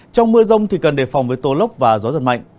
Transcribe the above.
trong mưa rông thì cần đề phòng với tô lốc và gió giật mạnh